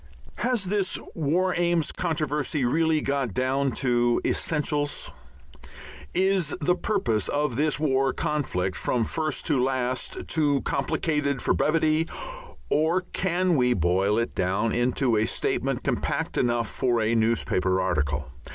Has this War Aims controversy really got down to essentials? Is the purpose of this world conflict from first to last too complicated for brevity, or can we boil it down into a statement compact enough for a newspaper article?